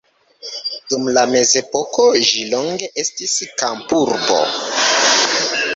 Dum la mezepoko ĝi longe estis kampurbo.